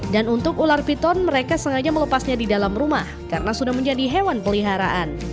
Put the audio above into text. dan untuk ular piton mereka sengaja melepasnya di dalam rumah karena sudah menjadi hewan peliharaan